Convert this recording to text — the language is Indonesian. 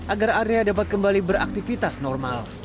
agar area dapat kembali beraktivitas normal